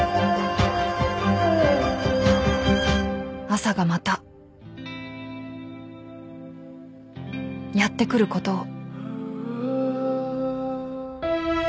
［朝がまたやって来ることを］